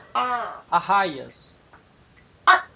Arraias